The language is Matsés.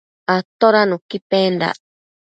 Atoda nuqui pendac?